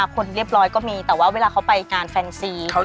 คนเรียบร้อยก็มีถ้าเวลาไปงานแฟนซี